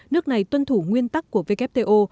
nước này tuân thủ nguyên tắc của wto